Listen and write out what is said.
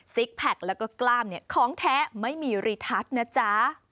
ซิกแพ็คแล้วก็กล้ามของแท้ไม่มีรีทัศน์นะจ๊ะ